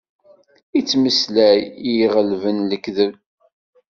Ittmeslay, i iɣelben lekdeb.